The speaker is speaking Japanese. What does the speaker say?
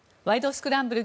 スクランブル」